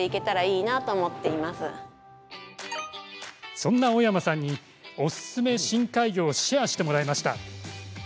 そんな青山さんにおすすめ深海魚をシェアしてもらいました。